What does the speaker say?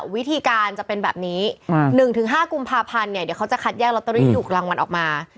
วิธีการจะเป็นแบบนี้๑๕กุมภาพันธ์เนี่ยเดี๋ยวเขาจะคัดแยกลอตเตอรี่ที่ถูกรางวัลออกมา